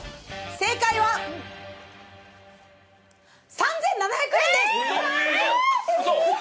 正解は３，７００円です。